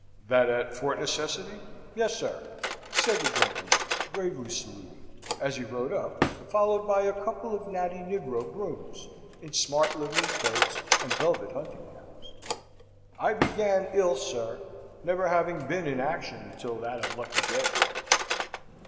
"That at Fort Necessity? Yes, sir," said the gentleman, gravely saluting, as he rode up, followed by a couple of natty negro grooms, in smart livery coats and velvet hunting caps. "I began ill, sir, never having been in action until that unlucky day."